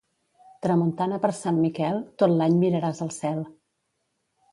Tramuntana per Sant Miquel, tot l'any miraràs el cel.